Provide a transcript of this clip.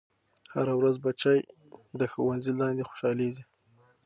هره ورځ بچے د ښوونځي لاندې خوشحالېږي.